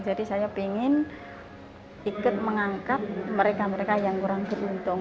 jadi saya ingin ikut mengangkat mereka mereka yang kurang beruntung